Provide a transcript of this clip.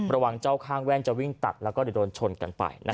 แล้วมีแบบนี้